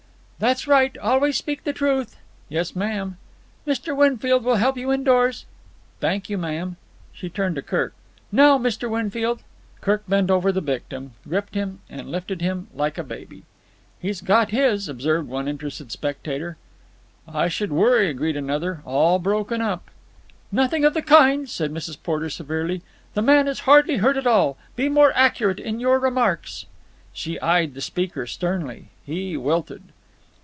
"That's right. Always speak the truth." "Yes, ma'am." "Mr. Winfield will help you indoors." "Thank you, ma'am." She turned to Kirk. "Now, Mr. Winfield." Kirk bent over the victim, gripped him, and lifted him like a baby. "He's got his," observed one interested spectator. "I should worry!" agreed another. "All broken up." "Nothing of the kind," said Mrs. Porter severely. "The man is hardly hurt at all. Be more accurate in your remarks." She eyed the speaker sternly. He wilted.